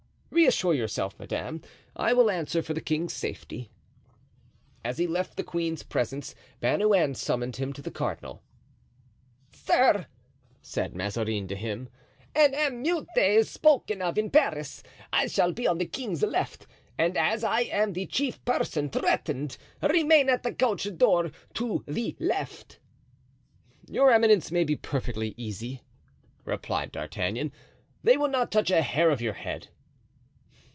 "Reassure yourself, madame, I will answer for the king's safety." As he left the queen's presence Bernouin summoned him to the cardinal. "Sir," said Mazarin to him "an emeute is spoken of in Paris. I shall be on the king's left and as I am the chief person threatened, remain at the coach door to the left." "Your eminence may be perfectly easy," replied D'Artagnan; "they will not touch a hair of your head."